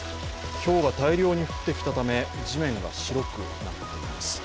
ひょうが大量に降ってきたため地面が白くなっています。